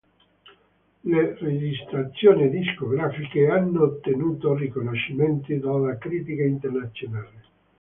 Le registrazioni discografiche hanno ottenuto riconoscimenti dalla critica internazionale.